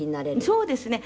「そうですね。